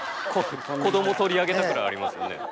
子供とり上げたくらいありますよね。